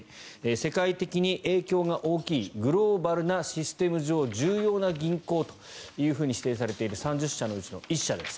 世界的に影響が大きいグローバルなシステム上重要な銀行というふうに指定されている３０社のうちの１社です。